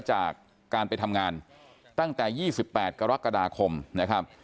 จากการไปทำงานตั้งแต่๒๘กรกฎาคมนะครับ